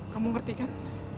kamu ngerti kan